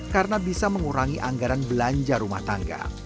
karena bisa mengurangi anggaran belanja rumah tangga